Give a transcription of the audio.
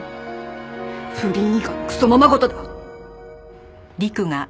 不倫以下のクソままごとだ！